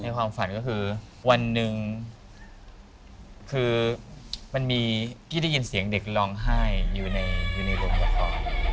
ความฝันก็คือวันหนึ่งคือมันมีกี้ได้ยินเสียงเด็กร้องไห้อยู่ในโรงละคร